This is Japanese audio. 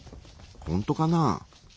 ほんとかな？